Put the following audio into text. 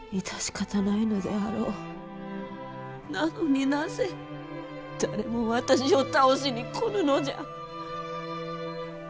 なのになぜ誰も私を倒しに来ぬのじゃ？